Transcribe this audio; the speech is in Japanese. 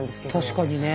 確かにね。